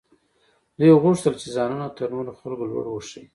دوی غوښتل چې ځانونه تر نورو خلکو لوړ وښيي.